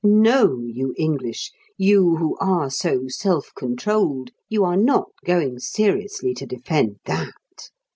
No, you English, you who are so self controlled, you are not going seriously to defend that!